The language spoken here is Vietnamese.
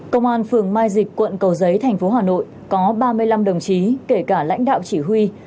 công an phường mai dịch quận cầu giấy thành phố hà nội có ba mươi năm đồng chí kể cả lãnh đạo chỉ huy